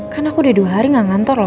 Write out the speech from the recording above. kan aku udah dua hari gak kantor lho